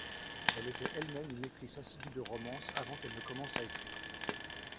Elle était elle-même une lectrice assidue de romances avant qu'elle ne commence à écrire.